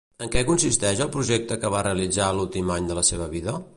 En què consisteix el projecte que va realitzar l'últim any de la seva vida?